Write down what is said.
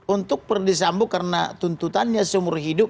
untuk perdisambu karena tuntutannya seumur hidup